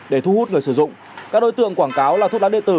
để thu hút người sử dụng các đối tượng quảng cáo là thuốc lá địa tử